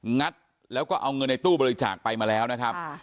งัดแล้วก็เอาเงินในตู้บริจาคไปมาแล้วนะครับ